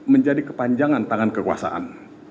menjadi kepanjangan tangan kekuasaan